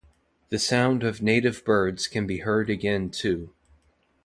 The sound of native birds can be heard again too.